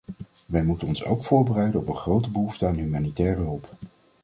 Wij moeten ons ook voorbereiden op een grote behoefte aan humanitaire hulp.